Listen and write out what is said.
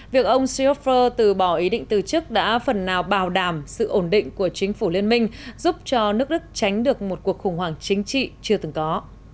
việc ông seeofer từ bỏ ý định từ chức đã phần nào bảo đảm sự ổn định của chính phủ liên minh giúp cho nước đức tránh được một cuộc khủng hoảng chính trị chưa từng có